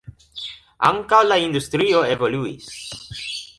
Ankaŭ la industrio evoluis.